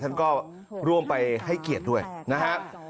ท่านก็ร่วมไปให้เกียรติด้วยนะครับ